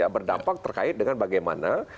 berdampak terkait dengan bagaimana